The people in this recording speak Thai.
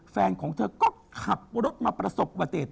แฟนของเธอก็ขับรถมาประสบวัติ